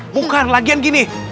bukan lagian gini